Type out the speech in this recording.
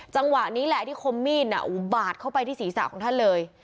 จังหวะนี้แหละที่คมมีดบาดเข้าไปที่ศีรษะของท่านเลย